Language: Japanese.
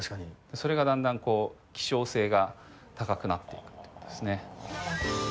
それがだんだん希少性が高くなってくるということですね。